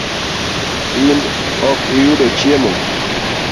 In ok iyudo chiemo?